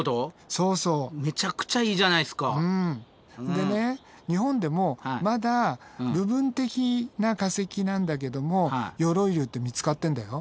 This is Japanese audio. でね日本でもまだ部分的な化石なんだけども鎧竜って見つかってんだよ。